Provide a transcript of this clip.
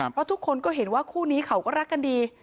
เพราะทุกคนก็เห็นว่าคู่นี้เขาก็รักกันดี